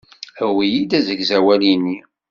Awi-yi-d asegzawal-nni.